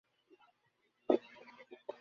এ রাতেই অবতীর্ণ হয়েছে পবিত্র কোরআন।